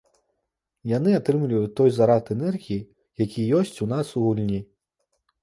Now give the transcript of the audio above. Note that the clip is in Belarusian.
Яны атрымліваюць той зарад энергіі, які ёсць у нас у гульні.